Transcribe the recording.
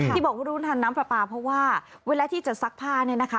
ที่บอกว่ารุ้นทานน้ำปลาปลาเพราะว่าเวลาที่จะซักผ้าเนี่ยนะคะ